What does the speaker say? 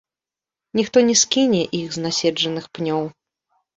Ніхто не скіне іх з наседжаных пнёў.